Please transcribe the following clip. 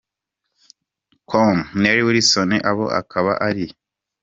com Nelly Wilson abo kaba ari:.